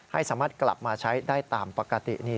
ให้สามารถกลับมาใช้ได้ตามปกตินี่